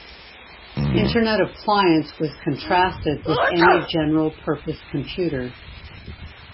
Internet appliance was contrasted with any general purpose computer.